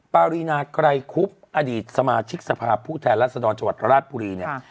ปารีนาไกรคุบอดีตสมาชิกสภาพผู้แทนรัศดรจังหวัดราชบุรีเนี่ย